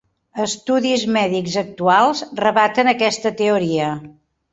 Estudis mèdics actuals rebaten aquesta teoria.